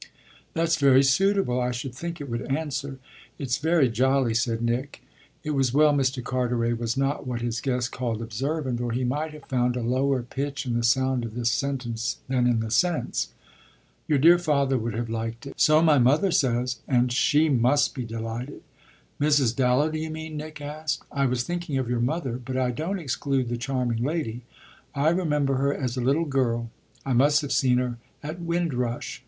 "That's very suitable. I should think it would answer." "It's very jolly," said Nick. It was well Mr. Carteret was not what his guest called observant, or he might have found a lower pitch in the sound of this sentence than in the sense. "Your dear father would have liked it." "So my mother says." "And she must be delighted." "Mrs. Dallow, do you mean?" Nick asked. "I was thinking of your mother. But I don't exclude the charming lady. I remember her as a little girl. I must have seen her at Windrush.